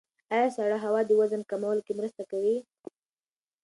ایا سړه هوا د وزن کمولو کې مرسته کوي؟